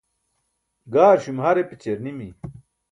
gaarśume har epaćiyar nimi